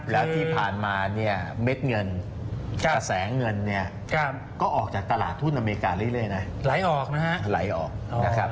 แล้วที่ผ่านมาเนี่ยเม็ดเงินกระแสเงินเนี่ยก็ออกจากตลาดทุนอเมริกาเรื่อยนะไหลออกนะฮะไหลออกนะครับ